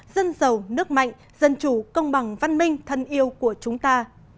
dân giàu nước mạnh dân chủ công bằng văn minh thân yêu của chúng ta